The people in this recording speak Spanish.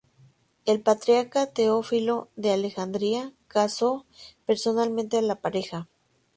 El patriarca Teófilo de Alejandría casó personalmente a la pareja.